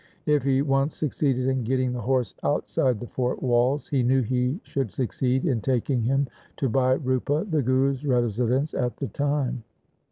If he once succeeded in getting the horse outside the fort walls, he knew he should succeed in taking him to Bhai Rupa, the Guru's resi dence at the time.